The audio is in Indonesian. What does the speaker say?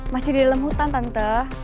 masih di dalam hutan tante